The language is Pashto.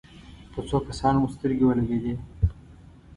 په څو کسانو مو سترګې ولګېدې.